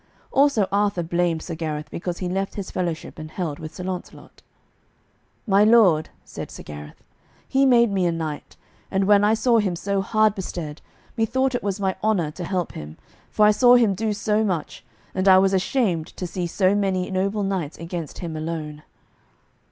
Also Arthur blamed Sir Gareth, because he left his fellowship and held with Sir Launcelot. "My lord," said Sir Gareth, "he made me a knight, and when I saw him so hard bestead, me thought it was my honour to help him, for I saw him do so much, and I was ashamed to see so many noble knights against him alone."